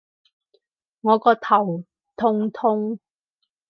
我個頭痛痛